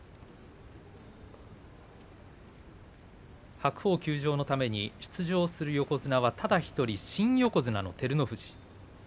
白鵬休場のために出場する横綱はただ１人、新横綱の照ノ富士。